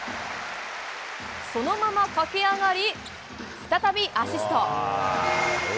そのまま駆け上がり、再びアシスト。